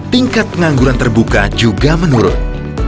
tingkat pengangguran terbuka juga menurun